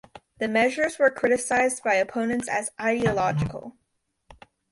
The measures were criticised by opponents as "ideological".